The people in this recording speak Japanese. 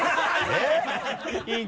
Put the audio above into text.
えっ？